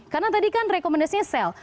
karena tadi kan rekomendasinya sell